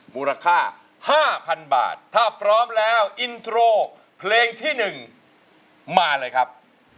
มูลค่า๕๐๐๐บาทถ้าพร้อมแล้วอินโทรเพลงที่๑มาเลยครับ